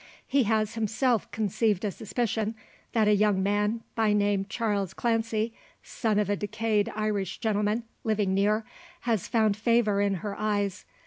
He has, himself, conceived a suspicion, that a young man, by name Charles Clancy son of a decayed Irish gentleman, living near has found favour in her eyes.